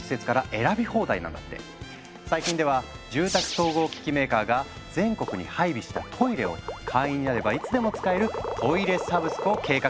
最近では住宅総合機器メーカーが全国に配備したトイレを会員になればいつでも使える「トイレサブスク」を計画中なんですって。